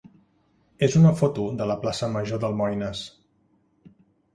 és una foto de la plaça major d'Almoines.